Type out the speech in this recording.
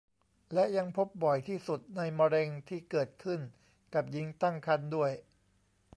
และยังพบบ่อยที่สุดในมะเร็งที่เกิดขึ้นกับหญิงตั้งครรภ์ด้วย